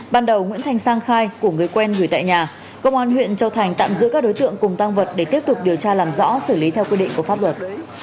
ban đầu nguyễn thành sang khai của người quen gửi tại nhà công an huyện châu thành tạm giữ các đối tượng cùng tăng vật để tiếp tục điều tra làm rõ xử lý theo quy định của pháp luật